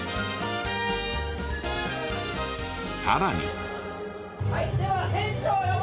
さらに。